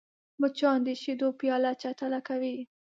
مچان د شیدو پیاله چټله کوي